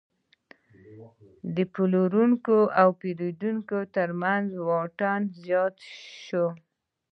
د پلورونکو او پیرودونکو ترمنځ واټن زیات شو.